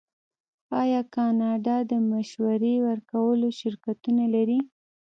آیا کاناډا د مشورې ورکولو شرکتونه نلري؟